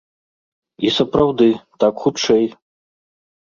І сапраўды, так хутчэй!